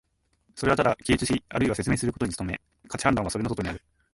それはただ記述しあるいは説明することに努め、価値判断はそれの外にある。